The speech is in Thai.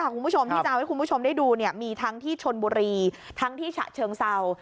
คุณผู้ชมที่จะเอาให้คุณผู้ชมได้ดูมีทั้งที่ชนบุรีทั้งที่ฉะเชิงเศร้า